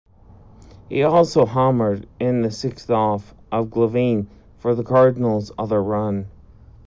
He also homered in the sixth off of Glavine for the Cardinals' other run.